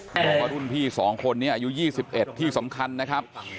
บอกว่ารุ่นพี่๒คนนี้อายุ๒๑ที่สำคัญนะครับ